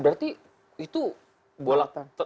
berarti itu bolak